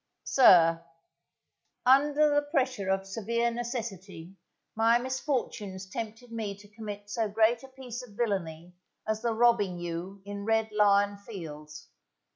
Sir, Under the pressure of severe necessity my misfortunes tempted me to commit so great a piece of villainy as the robbing you in Red Lion Fields.